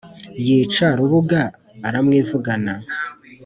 yica rubuga aramwivugana